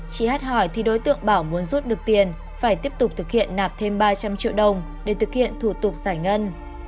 chị hát hỏi thì đối tượng bảo muốn rút được tiền phải tiếp tục thực hiện nạp thêm ba trăm linh triệu đồng để thực hiện thủ tục giải ngân